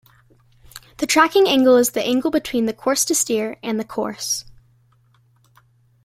The tracking angle is the angle between the "course to steer" and the "course".